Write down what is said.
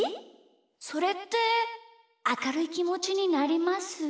それってあかるいきもちになります？